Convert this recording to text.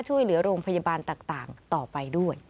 ช่วยเหลือโรงพยาบาลต่างต่อไปด้วย